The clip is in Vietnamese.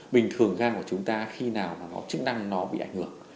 bình thường gan của chúng ta khi nào mà nó chức năng nó bị ảnh hưởng